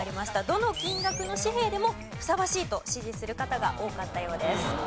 どの金額の紙幣でもふさわしいと支持する方が多かったようです。